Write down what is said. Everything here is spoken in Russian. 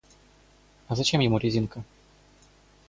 А зачем ему резинка?